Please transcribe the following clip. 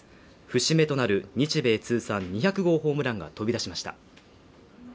節目となる日米通算２００号ホームランが飛び出しました。